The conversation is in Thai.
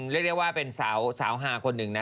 เรียกได้ว่าเป็นสาวหาคนหนึ่งนะ